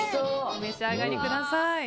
お召し上がりください。